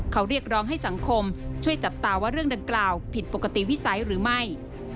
เขาเรียกร้องให้สังคมช่วยจับตาว่าเรื่องดังกล่าวผิดปกติวิสัยหรือไม่